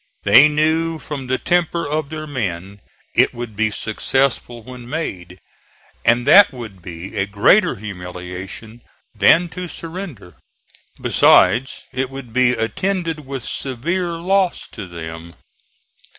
They knew from the temper of their men it would be successful when made; and that would be a greater humiliation than to surrender. Besides it would be attended with severe loss to them.